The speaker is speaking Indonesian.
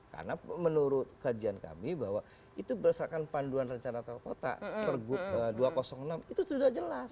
karena menurut kajian kami bahwa itu berdasarkan panduan rencana kota per gub dua ratus enam itu sudah jelas